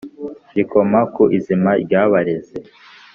Rikoma ku izima ryabareze